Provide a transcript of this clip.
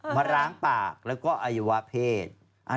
มาล้างปากแล้วก็อวัยวะเพศ